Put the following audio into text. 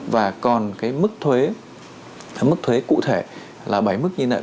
và còn cái mức thuế mức thuế cụ thể là bảy mức như thế này